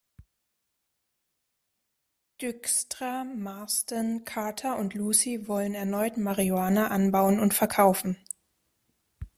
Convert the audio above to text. Dykstra, Marsden, Carter und Lucy wollen erneut Marihuana anbauen und verkaufen.